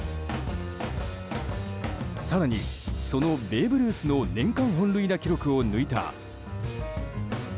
更に、そのベーブ・ルースの年間本塁打記録を抜いた。